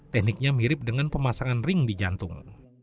tekniknya mirip dengan pemasangan ring di jantung